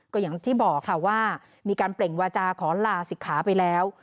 ก็อย่างที่บอกค่ะว่ามีการเปล่งวาจาขอลาศิกขาไปแล้ว